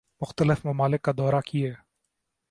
مختلف ممالک کا دورہ کیے